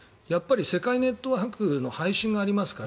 世界ネットワークの配信がありますから。